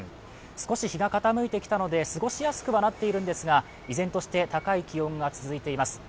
少し日が傾いてきたので、過ごしやすくはなっているんですが依然として高い気温が続いています。